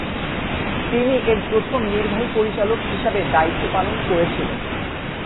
তিনি এর প্রথম নির্বাহী পরিচালক হিসাবে দায়িত্ব পালন করেছিলেন।